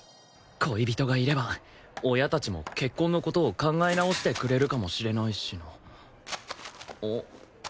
恋人がいれば親たちも結婚の事を考え直してくれるかもしれないしなん？